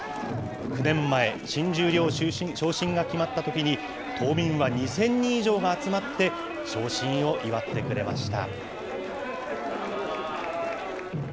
９年前、新十両昇進が決まったときに、島民は２０００人以上が集まって、昇進を祝ってくれました。